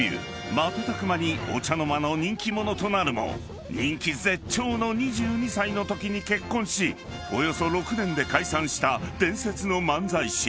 ［瞬く間にお茶の間の人気者となるも人気絶頂の２２歳のときに結婚しおよそ６年で解散した伝説の漫才師］